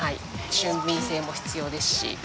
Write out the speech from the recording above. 俊敏性も必要ですし。